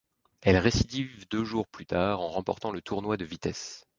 Elle récidive deux jours plus tard en remportant le tournoi de vitesse.